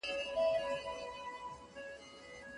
د هيندارو يوه لاره کې يې پرېښوم